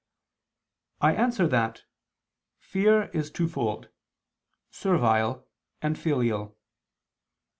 I answer that, Fear is twofold, servile and filial.